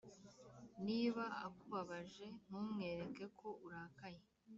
niba akubabaje ntumwereke ko urakaye